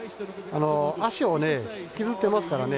足を引きずっていますからね。